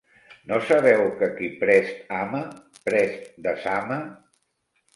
No sabeu que qui prest ama, prest desama?